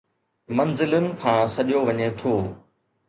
منزلن کان سڏيو وڃي ٿو